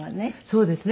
そうですね。